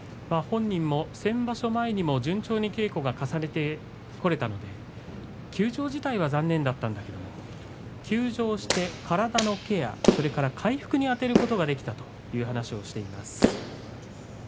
本人も先場所前にも順調に稽古を重ねてこられたので休場自体は残念だったんだけれども休場して体のケアそれから回復にあてることができたという話をしています。